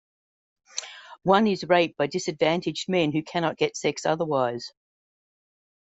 One is rape by disadvantaged men who cannot get sex otherwise.